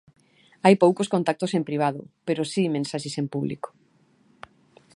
Hai poucos contactos en privado, pero si mensaxes en público.